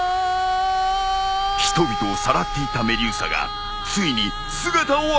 人々をさらっていたメデューサがついに姿を現した！